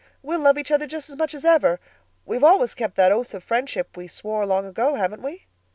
We'll love each other just as much as ever. We've always kept that 'oath' of friendship we swore long ago, haven't we?"